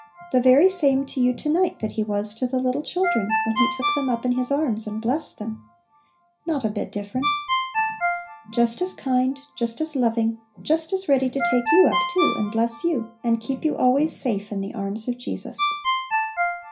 The very same to you to night that He was to the little children, when He took them up in His arms and blessed them. Not a bit different! Just as kind, just as loving, just as ready to take you up too, and bless you, and keep you always " safe in the arms of Jesus."